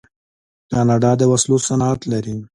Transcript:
کاناډا د وسلو صنعت لري.